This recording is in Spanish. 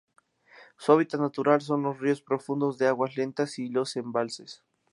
Su hábitat natural son los ríos profundos de aguas lentas y los embalses.